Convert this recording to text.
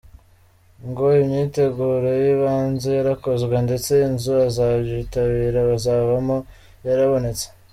Ngo imyiteguro y’ibanze yarakozwe ndetse inzu abazaryitabira bazabamo yarabonetse.